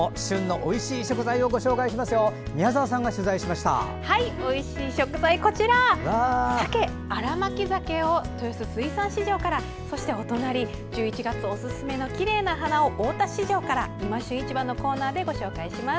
おいしい食材、こちら鮭、新巻鮭を豊洲水産市場からそしてお隣１１月おすすめのきれいな花を大田市場から「いま旬市場」のコーナーでご紹介します。